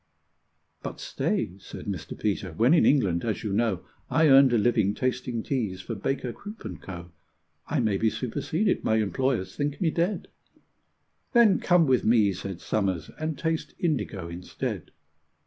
"But stay," said Mr. Peter; "when in England, as you know, I earned a living tasting teas for Baker, Croop, and Co., I may be superseded my employers think me dead!" "Then come with me," said Somers, "and taste indigo instead."